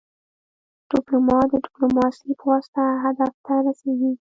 ډيپلومات د ډيپلوماسي پواسطه هدف ته رسیږي.